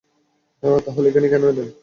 তাহলে এখানে কেন এলেন?